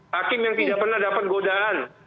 hakim yang tidak pernah dapat godaan